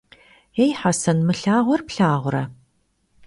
Yêy, Hesen! Mı lhağuer plhağure?